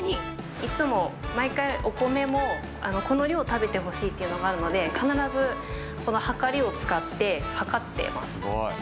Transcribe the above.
いつも毎回、お米もこの量食べてほしいというのがあるので、必ずこのはかりを使って量っています。